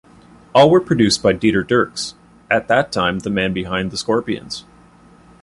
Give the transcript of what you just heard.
All were produced by Dieter Dierks, at that time the man behind the Scorpions.